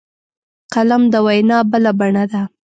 قلم د وینا بله بڼه ده